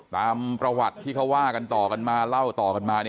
ตามประวัติที่เขาว่ากันต่อกันมาเล่าต่อกันมา